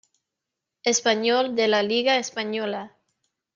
Espanyol de la Liga española.